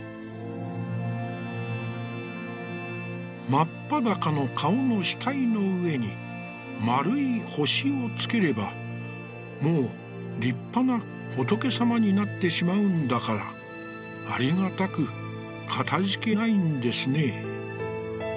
「マッパダカの顔の額の上に丸い星をつければ、もう立派な仏様になって仕舞うんだから、ありがたく、忝いんですね」。